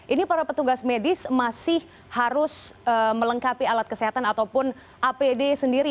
ini para petugas medis masih harus melengkapi alat kesehatan ataupun apd sendiri